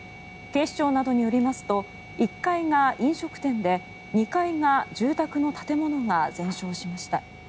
警視庁などによりますと１階が飲食店で２階が住宅の建物が全焼しました。